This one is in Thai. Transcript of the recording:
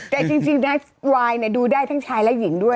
แต่จริงนะวายดูได้ทั้งชายและหญิงด้วย